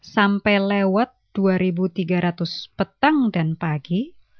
sampai lewat dua tiga ratus petang dan pagi